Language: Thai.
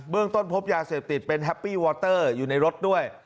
เรื่องต้นพบยาเสพติดเป็นแฮปปี้วอเตอร์อยู่ในรถด้วย